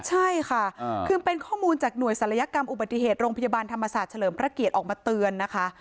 ใช่ค่ะคือเป็นข้อมูลจากหน่วยศัลยกรรมอุบัติเหตุโรงพยาบาลธรรมศาสตร์เฉลิมพระเกียรติออกมาเตือนนะคะ